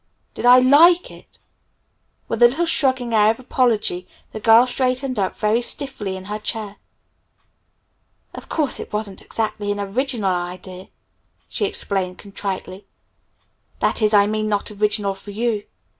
"Did I like it?" With a little shrugging air of apology the girl straightened up very stiffly in her chair. "Of course it wasn't exactly an original idea," she explained contritely. "That is, I mean not original for you.